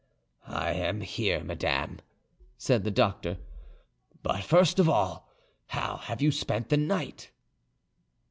"I am here, madame," said the doctor; "but first of all, how have you spent the night?"